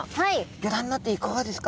ギョ覧になっていかがですか？